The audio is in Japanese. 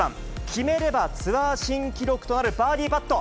決めればツアー新記録となるバーディーパット。